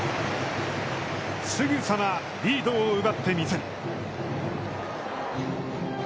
すぐさま、リードを奪ってみせる。